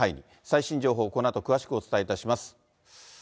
最新情報、このあと詳しくお伝えいたします。